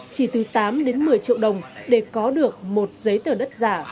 chỉ từ tám đến một mươi triệu đồng để có được một giấy tờ đất giả